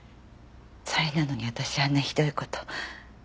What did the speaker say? それなのに私あんなひどい事。